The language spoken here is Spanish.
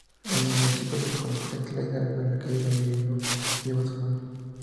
En el municipio de Huejutla, Hidalgo, la calle donde vivió lleva su nombre.